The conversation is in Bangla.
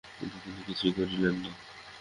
কিন্তু তিনি কিছুই করিলেন না।